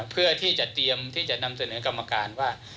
เพื่อที่จะเตรียมที่จะนำเสนอกรรมการว่า